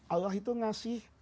allah itu ngasih